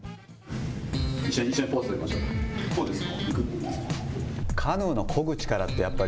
一緒にポーズ取りましょうか。